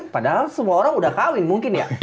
padahal semua orang udah kawin mungkin ya